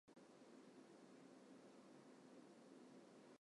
寿司を食わないと死ぬぜ！